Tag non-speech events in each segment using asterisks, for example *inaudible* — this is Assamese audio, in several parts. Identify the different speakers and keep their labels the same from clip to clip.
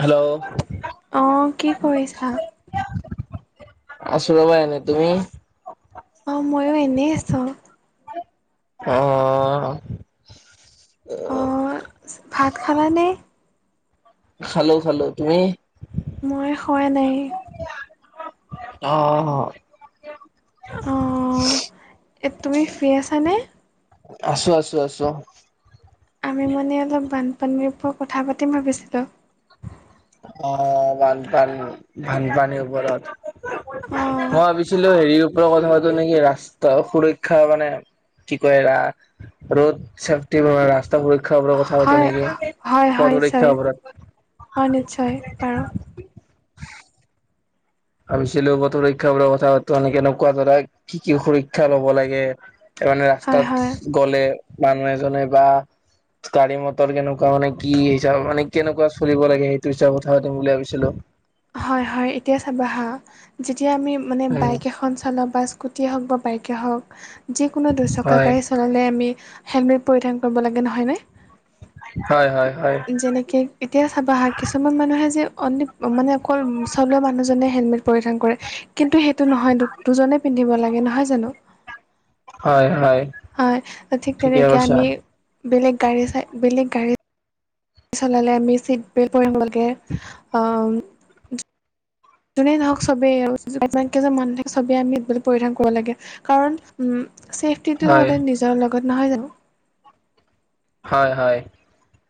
Speaker 1: হেল্ল
Speaker 2: অ কি কৰিছা
Speaker 1: আছো ৰ'বা এনেই তুমি
Speaker 2: অ মইও এনেই আছো
Speaker 1: অহ
Speaker 2: অ ভাত খালানে
Speaker 1: খালো খালো তুমি
Speaker 2: মই খোৱা নাই
Speaker 1: অ অ
Speaker 2: অহ তুমি ফ্ৰী আছানে
Speaker 1: আছো আছো আছো
Speaker 2: আমি মানে অলপ বানপানীৰ ওপৰত কথা পাতিম ভাবিছিলোঁ
Speaker 1: অ বানপানী বানপানীৰ ওপৰত
Speaker 2: অ
Speaker 1: মই ভাবি ছিলো হেৰিৰ ওপৰত কথা পাতো নেকি ৰাস্তাৰ সুৰক্ষা মানে কি কয় ৰা ৰোড চেফটি ৰাস্তা সুৰক্ষাৰ ওপৰত কথা পাতো
Speaker 2: হয়
Speaker 1: নেকি পথ সুৰক্ষাৰ ওপৰৰত
Speaker 2: অ নিশ্চয় পাৰা
Speaker 1: ভাবিছিলো বতৰ সুৰক্ষা বোৰৰ কথা এনেকে এনেকুৱা ধৰা কি কি সুৰক্ষা লব লাগে মানে
Speaker 2: হয়
Speaker 1: ৰাস্তাত
Speaker 2: হয়
Speaker 1: গলে মানুহ এজনে বা গাড়ী মটৰ কেনেকুৱা মানে কি হিচাপ মানে কেনেকুৱা চলিব লাগে সেইটো হিচাপত কথা পাতিম বুলি ভাবিছিলো
Speaker 2: হয় হয় এতিয়া চাবা হা যেতিয়া আমি মানে
Speaker 1: উম
Speaker 2: বাইক এখন চলাওঁ বা স্কুটিয়ে হওঁক বা বাইকে হওঁক যিকোনো দুচকীয়া
Speaker 1: হয়
Speaker 2: গাড়ী চলালে আমি হেলমেট পৰিধান কৰিব লাগে নহয়নে?
Speaker 1: হয়, হয়, হয়।
Speaker 2: যেনেকে এতিয়া চাবা আহা কিছুমান মানুহে যে অনলি মানে অকল চলোৱা মানুহজনে হেলমেট পৰিধান কৰে। কিন্তু সেইটো নহয় দুজনে পিন্ধিব লাগে নহয় জানো?
Speaker 1: হয়, হয়।
Speaker 2: হয়, ঠিক
Speaker 1: ঠিকে
Speaker 2: তেনেকে
Speaker 1: কৈছা
Speaker 2: আমি বেলেগ গাড়ী চাই বেলেগ গাড়ী চলালে আমি চিট বেল পৰিধান কৰিব লাগে। অ' যোনেই নহওঁক চবেই আৰু। যিমান কেইজন মানুহ থাকে চবেই আমিব পৰিধান কৰিব লাগে। কাৰণ উম চেফ তিটো
Speaker 1: হয়
Speaker 2: সদায় নিজৰ লগত নহয় জানো?
Speaker 1: হয়, হয়।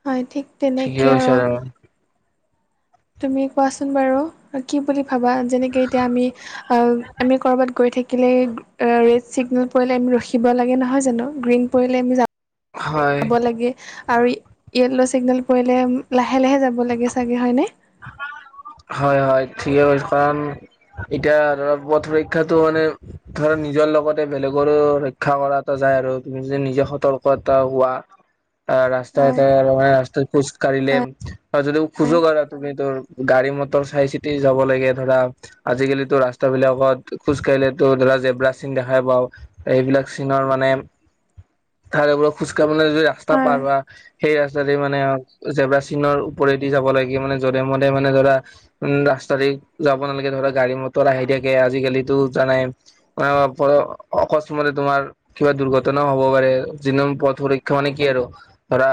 Speaker 2: হয়, ঠিক
Speaker 1: ঠিকে
Speaker 2: তেনেকৈ
Speaker 1: কৈছা
Speaker 2: আৰু।
Speaker 1: তুমি
Speaker 2: তুমি কোৱাচোন বাৰু কি বুলি ভাবা যেনেকে এতিয়া আমি অ' আমি ক'ৰবাত গৈ থাকি থাকিলেই ৰেড চিগনেল পৰিলে আমি ৰখিব লাগে নহয় জানো গ্ৰীণ পৰিলে আমি
Speaker 1: হয়
Speaker 2: যাব লাগে আৰু য়েল্ল' ছিগনেল পৰিলে লাহে লাহে যাব লাগে চাগে হয়নে? *inaudible*
Speaker 1: হয়, হয়, ঠিকে কৈছা। কাৰণ এতিয়া আৰু পথ ৰক্ষাটো মানে ধৰা নিজৰ লগতে বেলেগৰো ৰক্ষা কৰা এটা যায় আৰু তুমি যদি নিজে সতৰ্ক এটা হোৱা।
Speaker 2: *inaudible*
Speaker 1: আহ ৰাস্তা
Speaker 2: হয়
Speaker 1: এটাই আৰু মানে আমাৰ ৰাস্তাত খোজসকাঢ়িলে
Speaker 2: হয়
Speaker 1: আৰু যদি খোজো উম, গাড়ী মটৰ চাই চিতি যাব লাগে ধৰা। আজিকালিটো ৰাস্তাবিলাকত খোজকাঢ়িলেতো ধৰা জেব্ৰা চিন দেখাই পাওঁ। এইবিলাক চিনৰ মানে
Speaker 2: *inaudible*
Speaker 1: *unintelligible* খোজকাঢ়িবলৈ যৈ ৰাস্তা পাৰ হোৱা। সেই ৰাস্তাতে মানে যেবা চিনৰ ওপৰেদি যাব লাগে মানে যধে মধে মানে ধৰা উম, ৰাস্তা দি যাব নালাগে ধৰা গাড়ী মটৰ আহি থাকে আজিকালিতো জানাই। অ', অকস্মতে তোমাৰ কিবা দুৰ্ঘটনাও হ'ব পাৰে যি *unintelligible* পথ সুৰক্ষা মানে কি আৰু। ধৰা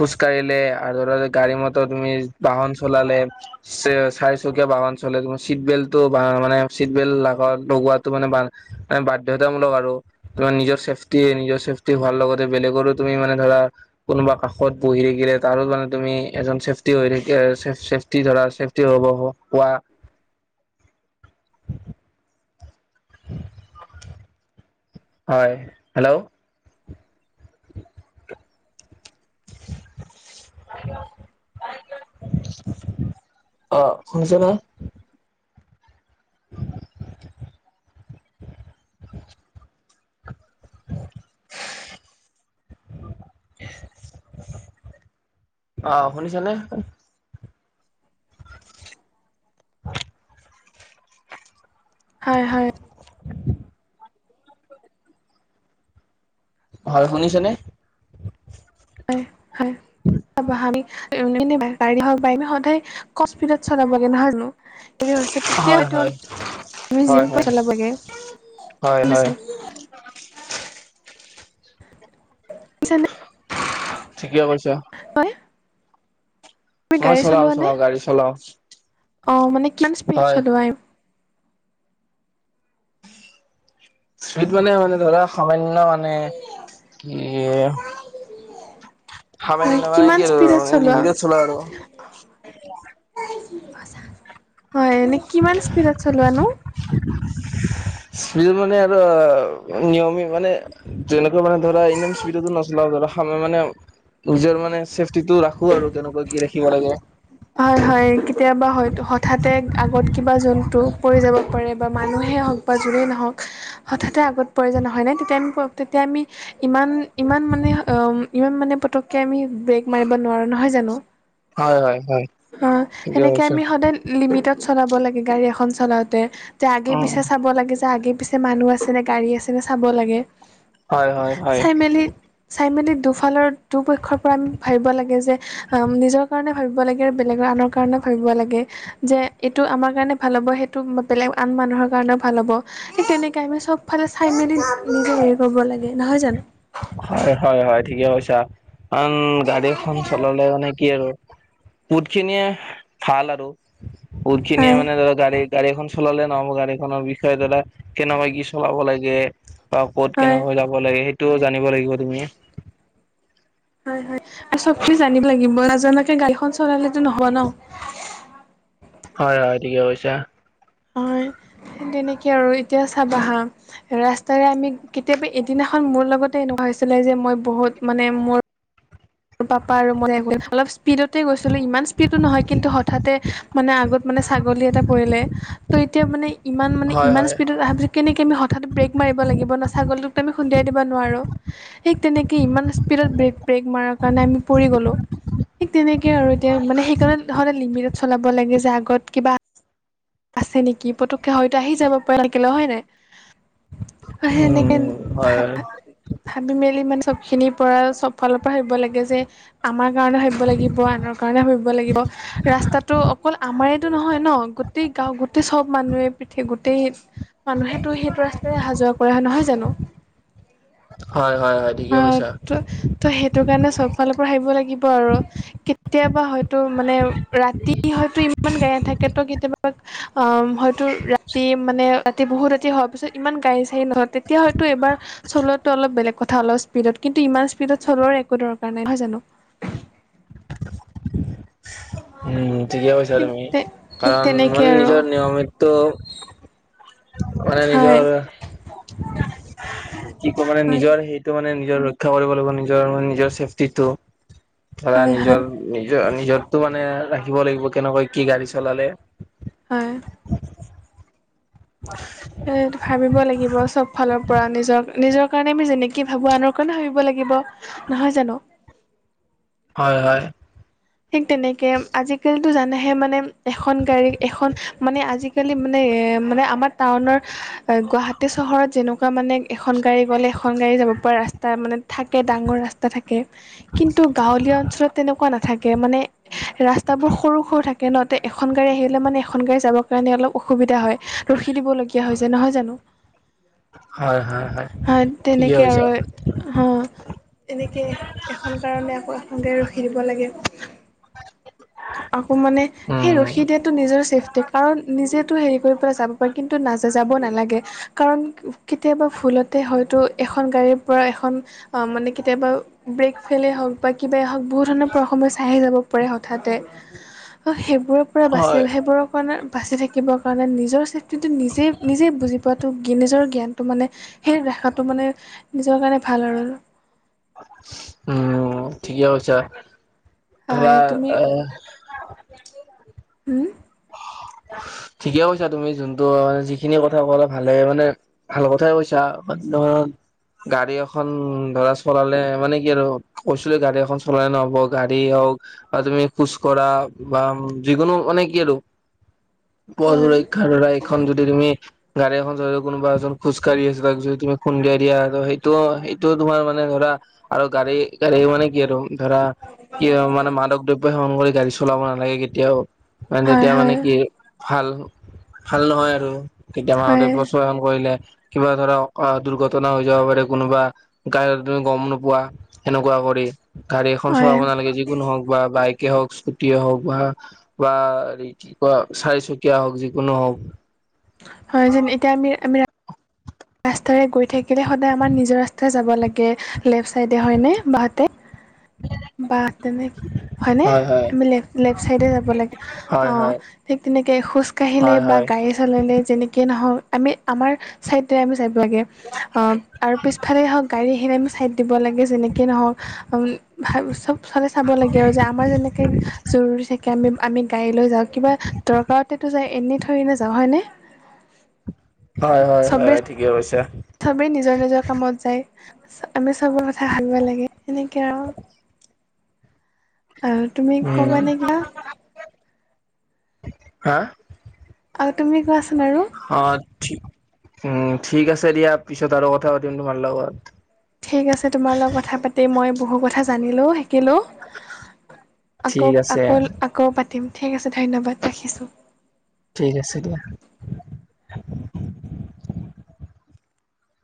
Speaker 1: খোজ কাঢ়িলে আৰু ধৰা গাড়ী মটৰ তুমি বাহন চলালে। চে-চাৰিচুকীয়া বাহন চলালে চিট বেল্টটো মানে চিট বেল্ট লগত লগোৱাটো মানে বা বাধ্যতামূলক আৰু। তোমাৰ নিজৰ চছেফটি নিজৰ চছেফটি ভাল লগাতে বেলেগৰো তুমি মানে ধৰা কোনোবা কাষত বহি থাকিলে তাৰো মানে তুমি এজন চেফটি হৈ থাকি অ' চেফটি চেফটি ধৰা চেফটি হ'ব হোৱা। *inaudible* হয়, হেল্ল'। অ', শুনিছা নে? *inaudible*
Speaker 2: *inaudible*
Speaker 1: অ', শুনিছা নে? *inaudible*
Speaker 2: হয়, হয়।
Speaker 1: *inaudible* হয় শুনিছেনে?
Speaker 2: হয় হয়। *unintelligible*
Speaker 1: হয় হয়। হয় হয় হয় হয়
Speaker 2: *unintelligible* বুইছানে।
Speaker 1: ঠিকে কৈছা।
Speaker 2: হয়। তুমি
Speaker 1: মই
Speaker 2: গাড়ী
Speaker 1: চলাও
Speaker 2: চলোৱানে?
Speaker 1: চলাও গাড়ী চলাও
Speaker 2: অঁ, মানে কিমান স্পীড
Speaker 1: হয়।
Speaker 2: চলোৱা?
Speaker 1: স্পিড মানে মানে ধৰা সামান্য মানে কি য়ে-
Speaker 2: হয়
Speaker 1: সামান্য মানে
Speaker 2: কিমান
Speaker 1: কি আৰু
Speaker 2: স্পীডত চলোৱা
Speaker 1: লিমিটট চলা আৰু।
Speaker 2: হয়, এনেই কিমান স্পীডত চলোৱানো?
Speaker 1: *inaudible* স্পিডত মানে আৰু নিয়মিত মানে- যেনেকুৱা মানে ধৰা ইমান স্পীডতো নচলাও ধৰা মানে- নিজৰ মানে চেফটিটো ৰাখো আৰু তেনেকুৱা কি ৰাখিব লাগে।
Speaker 2: হয় হয়, কেতিয়াবা হয়টো হঠাতে আগত কিবা জন্তু পৰি যাব পাৰে বা মানুহে হওক- বা যিহেই নহওক হঠাতে আগত পৰে যে নহয় নে তেতিয়া আমি তেতিয়া আমি- ইমান ইমান মানে ইমান মানে পতককে আমি ব্ৰেক মাৰিব নোৱাৰো নহয় জানো।
Speaker 1: হয় হয় হয়।
Speaker 2: অঁ'
Speaker 1: ঠিকে
Speaker 2: সেনেকে
Speaker 1: কৈছা।
Speaker 2: আমি সদায় লিমিটত চলাব লাগে গাড়ী এখন চলাওঁতে। যে আগে
Speaker 1: উম
Speaker 2: পিছে চাব লাগে যে আগে পিছে মানুহ আছে নে গাড়ী আছে নে চাব লাগে।
Speaker 1: হয় হয় হয়
Speaker 2: চাইমেলি- চাই মেলি দুফালৰ দুপক্ষৰ পৰা আমি ভাবিব লাগে যে নিজৰ কাৰণে ভাবিব লাগে- হে বেলেগৰ আনৰ কাৰণেও ভাবিব লাগে। যে এইটো আমাৰ কাৰণে ভাল হ'ব সেইটো বেলেগ আন মানুহৰ কাৰণেও ভাল হ'ব। সেই তেনেকাই মানে চবফালে চাই মেলি নিজে হেৰি কৰিব লাগে নহয় জানো।
Speaker 1: হয় হয় হয়, ঠিকে কৈছা কাৰন গাড়ী এখন চলালে মানে কি আৰু- বহুতখিনিয়ে ভাল আৰু বহুতখিনি
Speaker 2: হয়
Speaker 1: মানে ধৰ গাড়ী গাডী এখন- চলালে নহব গাড়ীখনৰ বিষয়ে দাৰা কেনেকা কি চলাব লাগে- বা ক'ত
Speaker 2: হয়
Speaker 1: কেনেকৈ যাব লাগে সেইটোও জানিব লাগিব তুমি।
Speaker 2: হয় হয়, আৰু চব খিনি জানিব লাগিব নজনাকে গাড়ীখন চলালেতো নহব ন।
Speaker 1: হয় হয়, ঠিকে কৈছা।
Speaker 2: হয়, তেনেকে আৰু এতিয়া চাবা হাঁ। ৰাস্তাৰে আমি কেতিয়াবা এদিনাখন মোৰ লগতে এনেকুৱা হৈছিলে যে মই বহুত মানে মোৰ- মোৰ পাপা আৰু মই অলপ স্পীডতে গৈছিলো ইমান স্পীডো নহয় কিন্তু হঠাতে- মানে আগত মানে ছাগলী এটা পৰিলে ত' এতিয়া মানে ইমান মানে
Speaker 1: হয়
Speaker 2: ইমান
Speaker 1: হয়
Speaker 2: স্পীডত অহা বুলি- কেনেকে আমি হঠাৎতে ব্ৰেক মাৰিব লাগিব ন, ছাগলীটোকতো আমি খুন্দিয়াই দিব নোৱাৰোঁ। সেইিক তেনেকেই ইমান স্পীডত ব্ৰেক ব্ৰেক মাৰাক- কাৰণে আমি পৰি গ'লোঁ। ঠিক তেনেকেই আৰু এতিয়া মানে সেইকাৰণে- সদায় লিমিটত চলাব লাগে যে আগত কিবা- আছে নেকি। পতককে হয়তো আহি যাব পৰা থাকিলে হয় নাই? আ সেনেকে
Speaker 1: উম হয়
Speaker 2: ভা- ভাবি মেলি মানে চবখিনিৰ পৰা চব ফালৰ পৰা ভাবিব লাগে যে- আমাৰ কাৰণে ভাবিব লাগিব আনৰ কাৰণে ভাবিব লাগিব। ৰাস্তাটো অকল আমাৰেতো নহয় ন। গোট- গোটেই গাঁও গোটেই সব মানুহে পিঠে গোটেই মানুহেতটো সেইটো ৰাস্ত হ যোৱা কৰা হয় নহয় জানো
Speaker 1: হয় হয় হয় ঠিকে
Speaker 2: অ
Speaker 1: কৈছা
Speaker 2: ত' সেইটো কাৰণে চব ফাল পৰাৰ খাবিব লাগিব আৰু কেতিয়াবা হয়তো মানে ৰাতি হয়তো ইমান গে থাকেতো কেতিয়াবা অ হয়তো ৰাতি মানে ৰাতি বহুত ৰাতি হোৱাৰ পিছত ইমান গাড়ী চাড়ী নাথাকে। এতিয়া হয়তো এইবাৰ চলোৱাটো অলপ বেলেগ কথা অলপ স্পীডত কিন্তু ইমান স্পীডত চলোৱাৰ একো দৰকাৰ নাই নহয় জানো।
Speaker 1: উ ঠিকে কৈছা
Speaker 2: ঠিক
Speaker 1: তুমি
Speaker 2: তে ঠিক
Speaker 1: কাৰণ
Speaker 2: তেনেকে
Speaker 1: মানে
Speaker 2: আৰু
Speaker 1: নিজৰ নিয়মিতো মানে
Speaker 2: হয়
Speaker 1: নিজৰ
Speaker 2: *inaudible*
Speaker 1: কি ক মানে
Speaker 2: হয়
Speaker 1: নিজৰ সেইটো মানে নিজৰ ৰক্ষা কৰিব লাগিব নিজৰ মানে নিজৰ চেফটিটো। ধৰা
Speaker 2: হয় হয়
Speaker 1: নিজৰ নিজৰ নিজৰটো মানে ৰাখিব লাগিব কেনেকৈ কি গাড়ী চলালে?
Speaker 2: হয়। স ভাবিব লাগিব চব ফলৰ পৰা নিজৰ নিজৰ কাৰণে আমি যেনেকৈ ভাবোঁ আনৰ কাৰণে ভাবিব লাগিব নহয় জানো
Speaker 1: হয়, হয়।
Speaker 2: ঠিক তেনেকে আজিকালি টো জানোহে মানে এখন গাড়ী এখন মানে আজিকালি মানে এ মানে আমাৰ টাউনৰ গুৱাহাটী চহৰত যেনেকুৱা মানে এখন গাড়ী গ'লে এখন গাড়ী যাব পৰা ৰাস্তা মানে থাকে ডাঙৰ ৰাস্তা থাকে। কিন্তু গাঁৱলীয়া অঞ্চলত তেনেকুৱা নাথাকে মানে ৰাস্তাবোৰ সৰু সৰু থাকে। কেনহাতে এখন গাড়ী আহিলে মানে এখন গাড়ী যাবৰ কাৰণে অলপ অসুবিধা হয় ৰখি দিবলগীয়া হৈছে। যে নহয় জানো
Speaker 1: হয় হয় হয় ঠিকে
Speaker 2: তেনেকে
Speaker 1: কৈছা
Speaker 2: আৰু অ এনেকে এখন কাৰণে আকৌ এখন গৈ ৰখি দিব লাগে। আকৌ মানে সেই
Speaker 1: উম
Speaker 2: ৰখি দিয়াতটো নিজৰ চেফটি কাৰণ নিজেতো হেৰি কৰি পেলাই যাব পাৰে কিন্তু না যাব নালাগে। কাৰণ কেতিয়াবা ভুলতে হয়তো এখন গাড়ীৰ পৰা এখন অ মানে কেতিয়াবা ব্ৰেক ফেইলে হওক বা কিব হওক? বহুত ধৰণৰ পৰা সময় চাই আহি যাব পাৰে হঠাৎ তে অ সেইবোৰৰে পৰা বাচি
Speaker 1: হয়
Speaker 2: সেইবোৰৰ কাৰণে বাচি থাকে। বাচিব শিকিবৰ কাৰণে নিজৰ চেফটিটো নিজেই নিজেই বুজি পোৱাটো নিজৰ জ্ঞান। ত মানে সেই ৰাখাটো মানে নিজৰ কাৰণে ভাল আৰু
Speaker 1: উম ঠিকে আছ
Speaker 2: হয়
Speaker 1: ধৰা
Speaker 2: তুমি
Speaker 1: আ
Speaker 2: উম।
Speaker 1: ঠিকে কৈছা তুমি যোনটো মানে যিখিনি কথা কলে ভালে মানে ভাল কথাই কৈছা মানে গাড়ী এখন ধৰা চলালে মানে কি আৰু কৈছিলে গাড়ী এখন চলাই নহব গাড়ী হওক বা তুমি খোজকঢ়া বা যিকোনো মানে কি আৰু?
Speaker 2: হয়
Speaker 1: প়ুৰক্ষাৰ এইখন যদি তুমি গাড়ী এখন যও কোনোবা এজন খোজকাঢ়িছে ত যদি তুমি খুন্দিয়াই দিয়া সেইটোও সেইটোও তোমাৰ মানে ধৰা আৰু গাড়ী গাড়ী মানে কি আৰু? ধৰা কি মানে মাদক দ্ৰব্য সেৱন কৰি গাড়ী চলাব নালাগে কেতিয়াও ম
Speaker 2: হয়
Speaker 1: তেতিয়া
Speaker 2: হয়
Speaker 1: মানে কি ভাল ভাল নহয় আৰু তেতিয়া
Speaker 2: হয়
Speaker 1: মাদব সেৱন কৰিলে। কিবা ধৰা অ দুৰ্ঘটনা হৈ যাব পাৰে কোনোবা গাড়ীত তুমি গম নোপোৱা। সেনেকুৱা কৰি- গাড়ী এখন
Speaker 2: হয়
Speaker 1: চলাব নালাগে যিকোনো হওঁক বা বাইক হওঁক স্কুটে হওঁক বা বা হেৰি- কি কোৱা চিচুকীয়া হওঁক যিকোনো হওঁক।
Speaker 2: হয়ঁ যে এতিয়া আমি আমি ৰাস্তাৰে গৈ থাকিলে সদায় আমাৰ নিজৰ ৰাস্তাত- জাৱ লাগে লেপ চাইদে হয় নে বাও হাতে বা- তেনে কি হয়নে
Speaker 1: হয় হয়
Speaker 2: আমি লেফ লেফ ছাইডে যাব লাগে।
Speaker 1: হয়
Speaker 2: অঁ
Speaker 1: হয়
Speaker 2: ঠিক তেনেকে খোজ কাঢ়িলে
Speaker 1: হয়
Speaker 2: বা গাই
Speaker 1: হয়
Speaker 2: যেনেকৈ নহওক আমি আমাৰ চাইদ তে আমি যাব লাগে আৰু পিছফালেই হওঁক গাড়ী আহিলে আমি ছাইড দিব লাগে যেনেকেই নহওঁক। উমঁ ভা চব চালে চাব লাগে আৰু যে আমাৰ যেনেকে জৰুৰী থাকে আমি আমি গাড়ী লৈ যাওঁ কিবা দৰকাৰতেতো যায় এনে- থৈৰি নাযাওঁ হয়নে?
Speaker 1: হয়ঁ হয়ঁ হয়ঁ
Speaker 2: চবেই
Speaker 1: হয়ঁ ঠিকে কৈছা।
Speaker 2: চবেই নিজৰ নিজৰ কামত যায় আমি চবৰ কথা ভাবিব লাগে এনেকে আও-
Speaker 1: *inaudible*
Speaker 2: আৰু। তুমি
Speaker 1: উমঁ
Speaker 2: ক'বা নে কিবা?
Speaker 1: হা-
Speaker 2: আৰু তুমি কোৱাচোন বাৰু।
Speaker 1: অঁ ঠিক ওম ঠিক আছে দিয়া পিছত আৰু কথা পাতিম তোমাৰ লগত।
Speaker 2: ঠিক আছে তোমাৰ লগত কথা পাতি মই বহু কথা জানিলো। সিকিলো
Speaker 1: ঠিক
Speaker 2: আকৌ
Speaker 1: আছে
Speaker 2: আকৌ আকৌ পাতিম ঠিক আছে ধন্যবাদ ৰাখিছোঁ।
Speaker 1: ঠিক আছে দিয়া।